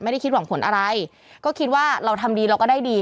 ไม่ได้คิดหวังผลอะไรก็คิดว่าเราทำดีเราก็ได้ดี